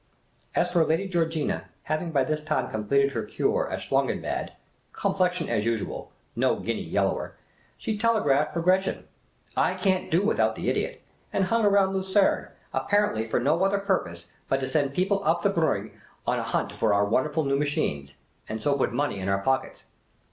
As for Lady Georgina, having by this time completed her " cure " at Schlangenbad (complexion as usual ; no guinea yellower), she telegraphed for Gretchen —" I can't do with out the idiot "— and hung round Lucerne, apparently for no 124 Miss Cayley's Adventures other purpose but to send people up the Briinig on the hunt for our wonderful new machines, and so put money in our pockets.